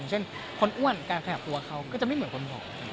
เช่นคนอ้วนการขยับตัวเขาก็จะไม่เหมือนคนบอก